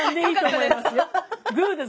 グーです。